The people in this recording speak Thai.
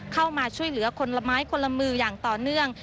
เข้ามาช่วยเหลือคนละไม้คนละมืออย่างต่อเนื่อง